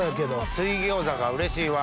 水餃子かうれしいわ。